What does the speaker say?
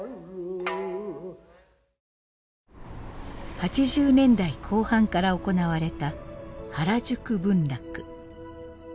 ８０年代後半から行われた原宿文楽。